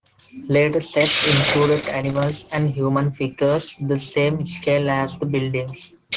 Later sets included animals and human figures the same scale as the buildings.